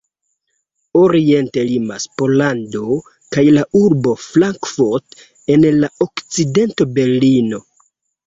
Oriente limas Pollando kaj la urbo Frankfurt, en la okcidento Berlino.